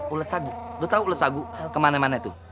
ulat sagu lu tahu ulat sagu kemana mana itu